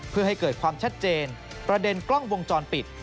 เพื่อให้เกิดความชัดเจนประเด็นกล้องวงจรปิด